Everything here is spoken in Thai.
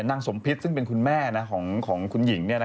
นางสมพิษซึ่งเป็นคุณแม่ของคุณหญิง